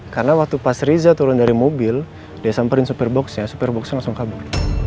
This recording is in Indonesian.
karena waktu pas riza turun dari mobil dia samperin supir boxnya supir boxnya langsung kabur